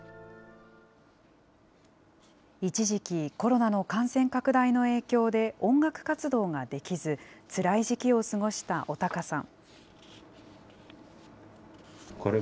一時期、コロナの感染拡大の影響で音楽活動ができず、つらい時期を過ごした尾高さん。